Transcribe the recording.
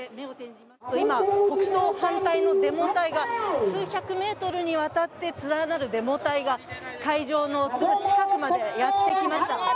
今、国葬反対のデモ隊が、数百メートルにわたって連なるデモ隊が会場のすぐ近くまでやってきました。